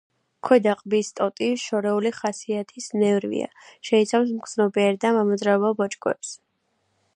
ქვედა ყბის ტოტი შერეული ხასიათის ნერვია, შეიცავს მგრძნობიარე და მამოძრავებელ ბოჭკოებს.